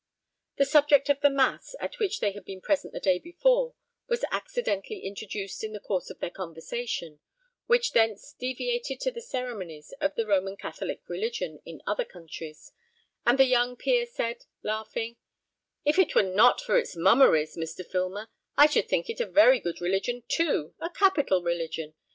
The subject of the mass, at which they had been present the day before, was accidentally introduced in the course of their conversation, which thence deviated to the ceremonies of the Roman Catholic religion in other countries; and the young peer said, laughing, "If it were not for its mummeries, Mr. Filmer, I should think it a very good religion too, a capital religion.